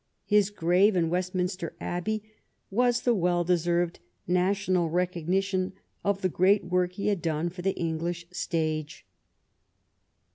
His grave, in Westminster Abbey, was the well deserved national recognition of the great work he had done for the English stage.